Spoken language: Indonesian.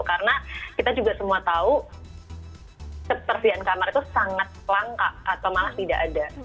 karena kita juga semua tahu ketersediaan kamar itu sangat langka atau malah tidak ada